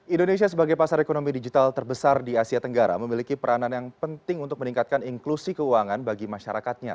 indonesia sebagai pasar ekonomi digital terbesar di asia tenggara memiliki peranan yang penting untuk meningkatkan inklusi keuangan bagi masyarakatnya